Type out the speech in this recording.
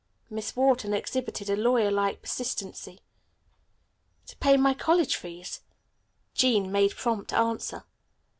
Miss Wharton exhibited a lawyer like persistency. "To pay my college fees," Jean made prompt answer.